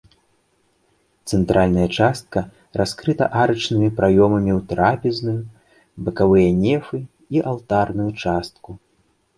Цэнтральная частка раскрыта арачнымі праёмамі ў трапезную, бакавыя нефы і алтарную частку.